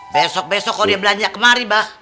besok besok kalo dia belanja kemari bah